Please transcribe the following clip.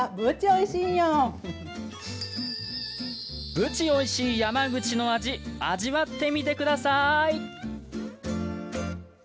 ぶちおいしい山口の味味わってみてください。